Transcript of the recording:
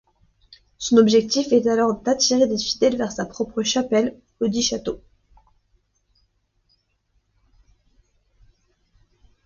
Son objectif est alors d’attirer des fidèles vers sa propre chapelle audit château.